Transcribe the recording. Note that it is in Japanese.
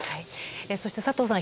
そして、佐藤さん